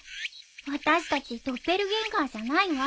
私たちドッペルゲンガーじゃないわ。